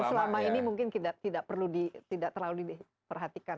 yang selama ini mungkin tidak perlu di tidak terlalu diperhatikan